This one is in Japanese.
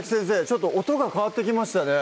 ちょっと音が変わってきましたね